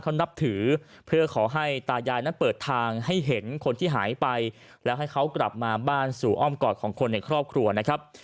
เขานับถือเพื่อขอให้ตายายนั้นเปิดทางให้เห็นคนที่หายไปแล้วให้เขากลับมาบ้านสู่อ้อมกอดของคนในครอบครัวนะครับ